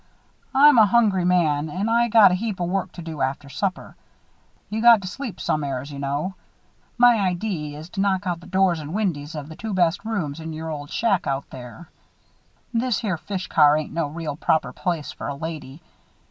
"I'm a hungry man and I got a heap o' work to do after supper. You got to sleep some'eres, you know. My idee is to knock open the doors and windys of the two best rooms in your old shack out there. This here fish car ain't no real proper place for a lady.